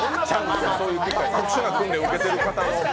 特殊な訓練を受けている方の。